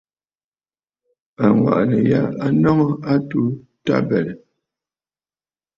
Àŋwàʼànə̀ ya a nɔŋə a atu tabɛ̀rə̀.